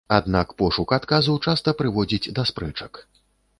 Аднак пошук адказу часта прыводзіць да спрэчак.